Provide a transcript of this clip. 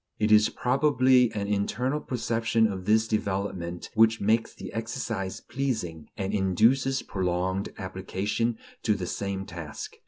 It is probably the internal perception of this development which makes the exercise pleasing, and induces prolonged application to the same task.